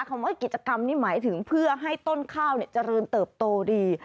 คำว่ากิจกรรมนี่หมายถึงเพื่อให้ต้นข้าวเจริญเติบโตดี